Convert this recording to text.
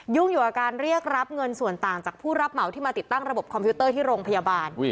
อยู่กับการเรียกรับเงินส่วนต่างจากผู้รับเหมาที่มาติดตั้งระบบคอมพิวเตอร์ที่โรงพยาบาล